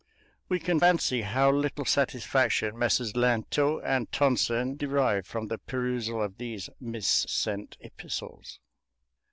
We can fancy how little satisfaction Messrs. Lintot and Tonson derived from the perusal of these missent epistles.